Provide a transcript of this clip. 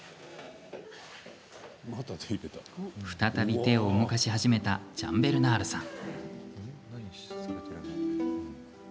再び手を動かし始めたジャンベルナールさん。